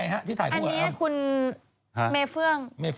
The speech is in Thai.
อ๋อเหรอ